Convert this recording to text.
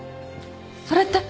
それって。